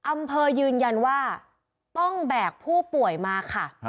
อำเภอยืนยันว่าต้องแบกผู้ป่วยมาค่ะ